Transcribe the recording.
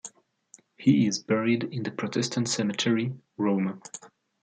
He is buried in the Protestant Cemetery, Rome.